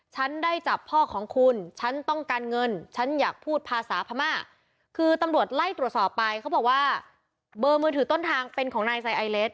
ฉันได้จับพ่อของคุณฉันต้องการเงินฉันอยากพูดภาษาพม่าคือตำรวจไล่ตรวจสอบไปเขาบอกว่าเบอร์มือถือต้นทางเป็นของนายไซไอเลส